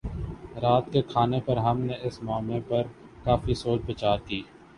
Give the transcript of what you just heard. رات کے کھانے پر ہم نے اس معمے پر کافی سوچ بچار کی